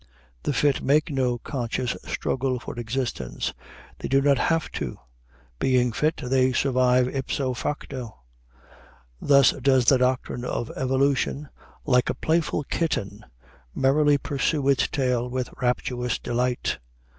The fit make no conscious struggle for existence. They do not have to. Being fit, they survive ipso facto. Thus does the doctrine of evolution, like a playful kitten, merrily pursue its tail with rapturous delight.